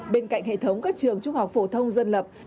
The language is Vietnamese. bên cạnh hệ thống các trường trung học phổ thông dân lập